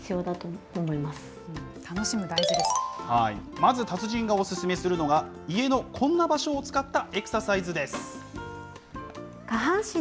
まず達人がお勧めするのが、家のこんな場所を使ったエクササイズです。